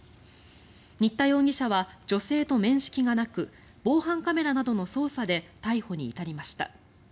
新田容疑者と女性に面識はなく防犯カメラなどの捜査で逮捕に至りました。